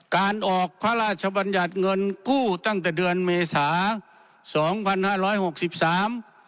การออกพระราชบัญญัติเงินกู้ตั้งแต่เดือนเมษาสองพันห้าร้อยหกสิบสาม